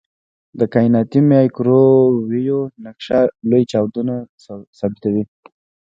د کائناتي مایکروویو نقشه لوی چاودنه ثابتوي.